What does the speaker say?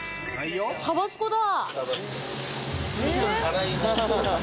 タバスコだ。